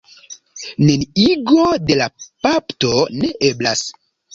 Neniigo de la bapto ne eblas.